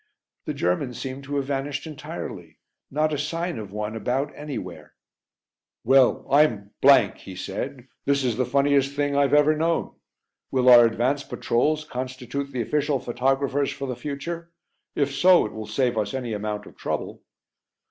The Germans seem to have vanished entirely, not a sign of one about anywhere." "Well, I'm ," he said, "this is the funniest thing I've ever known. Will our advance patrols constitute the official photographers for the future? If so, it will save us any amount of trouble."